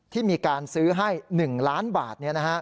ที่มีการซื้อให้๑ล้านบาท